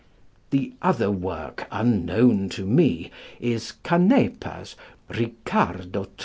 The other work unknown to me is +Canepa's+ _Riccardo III.